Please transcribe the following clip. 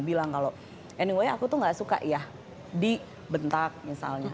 bilang kalau anyway aku tuh gak suka ya di bentak misalnya